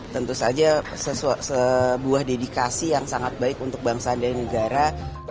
tentu saja sebuah dedikasi yang sangat baik untuk bangsa dan negara